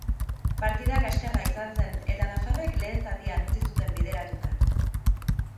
Partida kaskarra izan zen eta nafarrek lehen zatian uzti zuten bideratuta.